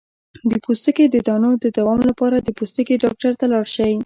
د پوستکي د دانو د دوام لپاره د پوستکي ډاکټر ته لاړ شئ